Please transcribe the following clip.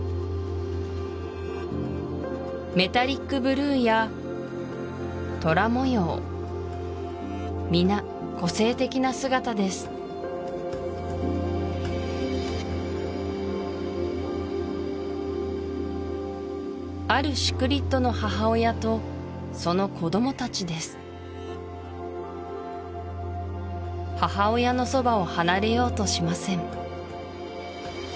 メタリックブルーやトラ模様皆個性的な姿ですあるシクリッドの母親とその子どもたちです母親のそばを離れようとしません